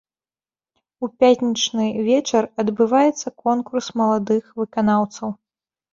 У пятнічны вечар адбываецца конкурс маладых выканаўцаў.